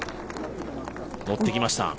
乗ってきました。